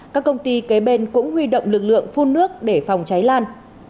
các công ty kế bên cũng huy động lực lượng phun nước để phòng cháy lan